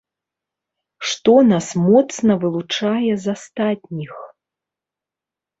Што нас моцна вылучае з астатніх?